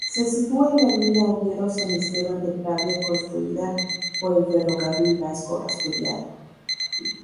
Se sitúa en la línea Oviedo-San Esteban de Pravia construida por el Ferrocarril Vasco-Asturiano.